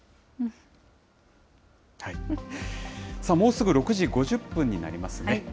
さあ、もうすぐ６時５０分になりますね。